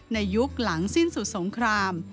ยุคหลังสิ้นสุดสงคราม